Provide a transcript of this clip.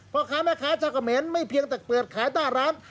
พ่อค้าแม่ค้าชาวเขมรไม่เพียงแต่เปิดขายหน้าร้าน